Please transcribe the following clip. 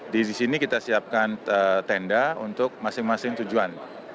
di sini kita siapkan tenda untuk masing masing tujuan